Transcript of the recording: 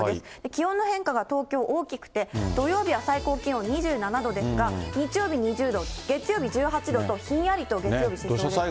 気温の変化が東京、大きくて、土曜日は最高気温２７度ですが、日曜日２０度、月曜日１８度と、ひんやりと月曜日、しそうですね。